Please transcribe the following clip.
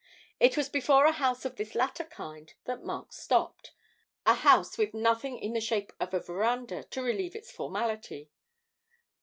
It was before a house of this latter kind that Mark stopped a house with nothing in the shape of a verandah to relieve its formality.